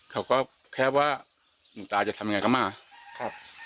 เขาก็แค่ว่าหลวงตาจะทำยังไงก็มาครับ